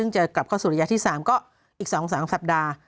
จะกลับเข้าสู่ระยะที่๓ก็อีก๒๓สัปดาห์